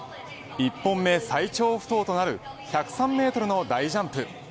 １本目、最長不倒となる１０３ｍの大ジャンプ。